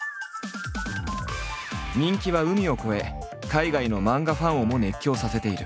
人気は海を超え海外の漫画ファンをも熱狂させている。